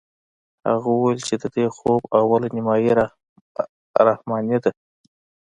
هغه وويل چې د دې خوب اوله نيمه رحماني ده.